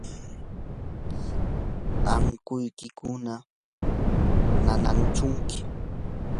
¿ankuykiku nanaashunki?